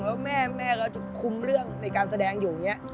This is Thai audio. แล้วแม่ก็จะคุ้มเรื่องในการแสดงอยู่อย่างนี้